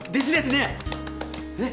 ねっ。